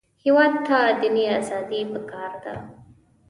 هېواد ته دیني ازادي پکار ده